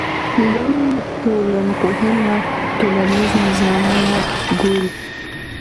لویه ټولنپوهنه ټولنیز نظامونه ګوري.